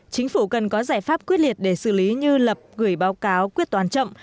chính phủ cần có giải pháp quyết liệt để xử lý như lập gửi báo cáo quyết toán chậm